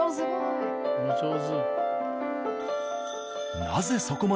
お上手。